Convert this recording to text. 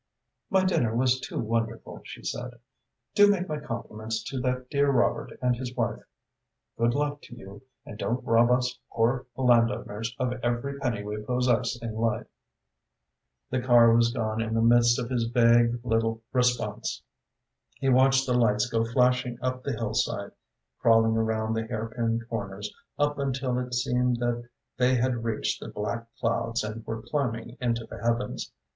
"My dinner was too wonderful," she said. "Do make my compliments to that dear Robert and his wife. Good luck to you, and don't rob us poor landowners of every penny we possess in life." The car was gone in the midst of his vague little response. He watched the lights go flashing up the hillside, crawling around the hairpin corners, up until it seemed that they had reached the black clouds and were climbing into the heavens.